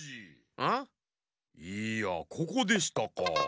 いやここでしたか。